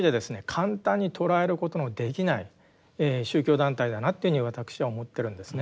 簡単に捉えることのできない宗教団体だなっていうふうに私は思ってるんですね。